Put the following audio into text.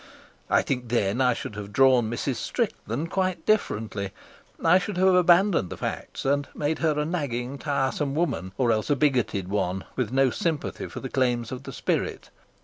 I think then I should have drawn Mrs. Strickland quite differently. I should have abandoned the facts and made her a nagging, tiresome woman, or else a bigoted one with no sympathy for the claims of the spirit.